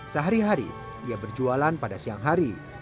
sehari hari ia berjualan pada siang hari